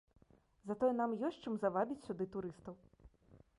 Затое нам ёсць чым завабіць сюды турыстаў.